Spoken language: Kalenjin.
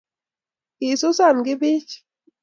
kisusan kibich